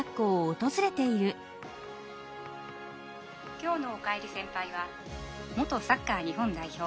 「きょうの『おかえり先輩』は元サッカー日本代表